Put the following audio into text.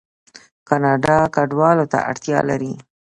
کاناډا کډوالو ته اړتیا لري.